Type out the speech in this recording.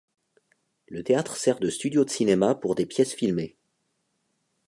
Le théâtre sert de studio de cinéma pour des pièces filmées.